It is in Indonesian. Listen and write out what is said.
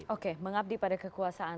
oke mengabdi pada kekuasaan